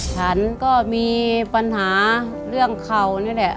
ฉันก็มีปัญหาเรื่องเข่านี่แหละ